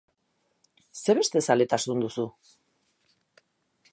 Zer beste zaletasun duzu?